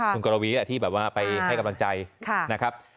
คุณกรวีที่แบบว่าไปให้กำลังใจนะครับ